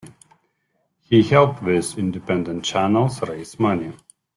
He helps these independent channels raise money.